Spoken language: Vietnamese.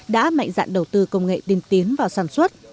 đã mạnh dạn đầu tư công nghệ tiên tiến vào sản xuất